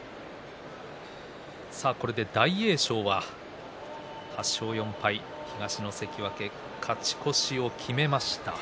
これで大栄翔は８勝４敗、東の関脇勝ち越しを決めました。